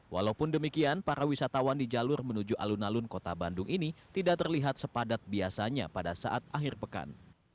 walaupun demikian para wisatawan di jalur menuju alun alun kota bandung ini tidak terlihat sepadat biasanya pada saat akhir pekan